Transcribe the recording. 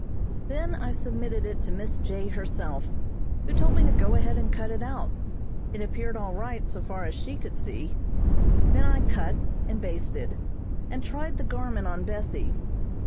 Then I submitted it to Miss J. herself, who told me to go ahead and cut it out. It appeared all right, so far as she could see. Then I cut, and basted, and tried the garment on Bessie.